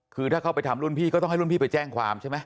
คือถ้าเขาไปทำรุ่นพี่ก็ต้องให้รุ่นพี่ไปแจ้งความใช่ไหม